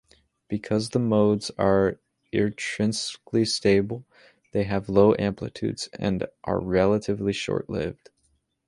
Because the modes are intrinsically stable, they have low amplitudes and are relatively short-lived.